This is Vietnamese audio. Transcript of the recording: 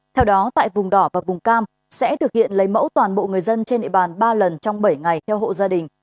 theo đó tại vùng đỏ và vùng cam sẽ thực hiện lấy mẫu toàn bộ người dân trên địa bàn ba lần trong bảy ngày theo hộ gia đình